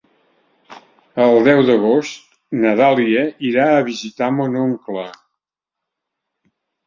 El deu d'agost na Dàlia irà a visitar mon oncle.